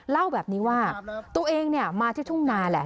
เล่าแบบนี้ว่าตัวเองมาที่ทุ่งนาแหละ